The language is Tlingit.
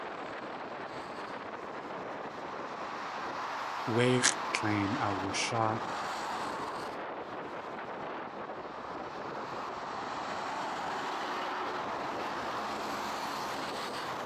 Wéix̲ʼ tlein aawasháat.